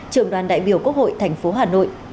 trưởng đoàn đại biểu quốc hội thành phố hà nội